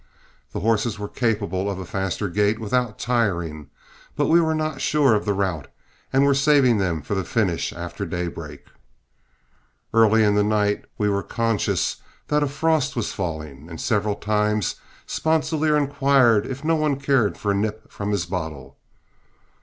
The horses were capable of a faster gait without tiring, but we were not sure of the route and were saving them for the finish after daybreak. Early in the night we were conscious that a frost was falling, and several times Sponsilier inquired if no one cared for a nip from his bottle.